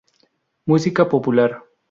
Música popular